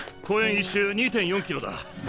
１周２．４キロだ。